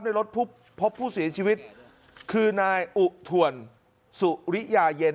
ในรถพบผู้เสียชีวิตคือนายอุทวนสุริยาเย็น